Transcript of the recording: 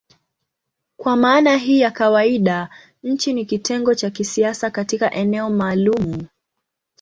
Kwa maana hii ya kawaida nchi ni kitengo cha kisiasa katika eneo maalumu.